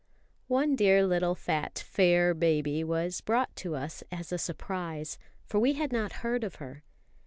One dear little fat "fair" baby was brought to us as a surprise, for we had not heard of her.